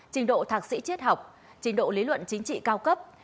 trình độ thạc sĩ triết học trình độ lý luận chính trị cao cấp